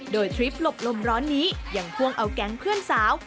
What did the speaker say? โดยทริปหลบลมร้อนนี้ยังพ่วงเอาแก๊งเพื่อนสาว